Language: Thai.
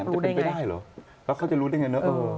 มันจะเป็นไปได้เหรอแล้วเขาจะรู้ได้ไงเนอะ